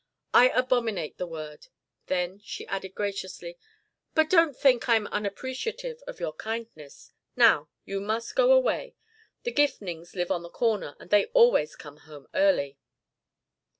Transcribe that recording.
"I abominate the word." Then she added graciously: "But don't think I am unappreciative of your kindness. Now you must go away. The Gifnings live on the corner, and they always come home early."